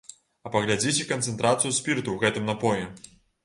А паглядзіце канцэнтрацыю спірту ў гэтым напоі!